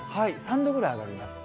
３度ぐらい上がります。